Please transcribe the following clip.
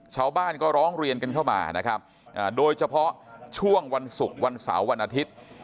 ชาวบ้านก็ร้องเรียนกันเข้ามานะครับโดยเฉพาะช่วงวันศุกร์วันเสาร์วันอาทิตย์